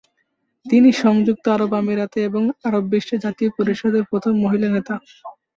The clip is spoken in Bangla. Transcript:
তিনি সংযুক্ত আরব আমিরাতে এবং আরব বিশ্বের জাতীয় পরিষদের প্রথম মহিলা নেতা।